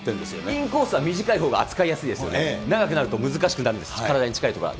インコースは短いほうが扱いやすいんですね、長くなると難しくなるんです、体に近い所は。